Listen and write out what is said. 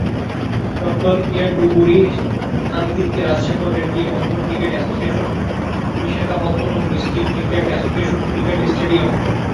Doctor Yeduguri সানদিন্তি Rajshekhar Reddy Andhra cricket অ্যাসোসিয়েশন-বিশাখাপত্তনম district cricket association cricket stadium.